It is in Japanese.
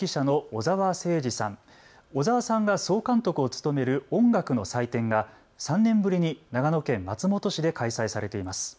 小澤さんが総監督を務める音楽の祭典が３年ぶりに長野県松本市で開催されています。